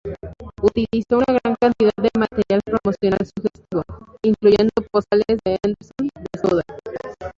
Utilizó una gran cantidad de material promocional sugestivo, incluyendo postales de Andersson desnuda.